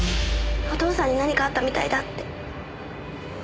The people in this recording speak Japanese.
お父さんに何かあったみたいだって。